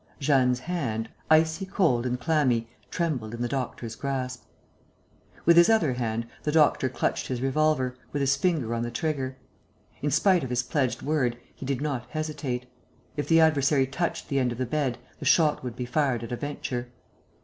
Jeanne's hand, icy cold and clammy, trembled in the doctor's grasp. With his other hand, the doctor clutched his revolver, with his finger on the trigger. In spite of his pledged word, he did not hesitate. If the adversary touched the end of the bed, the shot would be fired at a venture.